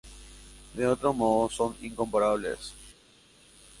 De otro modo son incomparables.